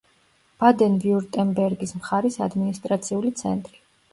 ბადენ-ვიურტემბერგის მხარის ადმინისტრაციული ცენტრი.